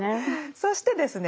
そしてですね